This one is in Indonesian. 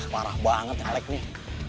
parah banget alec nih